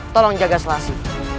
tolong jaga selasi